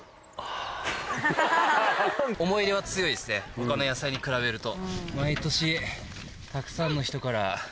他の野菜に比べると。